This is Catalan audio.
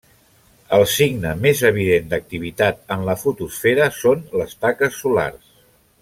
El signe més evident d'activitat en la fotosfera són les taques solars.